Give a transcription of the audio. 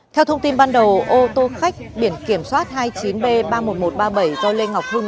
theo thông tin ban đầu ô tô khách biển kiểm soát hai mươi chín b ba mươi một nghìn một trăm ba mươi bảy do lê ngọc hưng